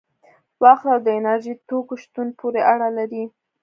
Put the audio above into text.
وخت او د انرژي توکو شتون پورې اړه لري.